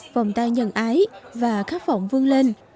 vòng tay nhân ái và khắc phỏng vương lên